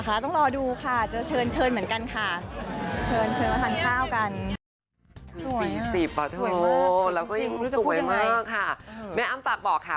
ก็อาจจะมีอะไรบ่อยค่ะ